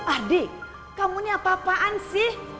adik kamu ini apa apaan sih